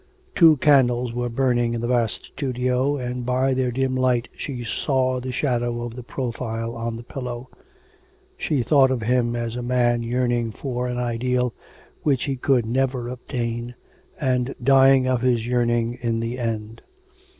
Two candles were burning in the vast studio, and by their dim light she saw the shadow of the profile on the pillow. She thought of him as a man yearning for an ideal which he could never attain, and dying of his yearning in the end!